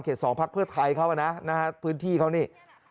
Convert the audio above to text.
เขตสองพักเพื่อไทยเข้ามานะพื้นที่เข้านี่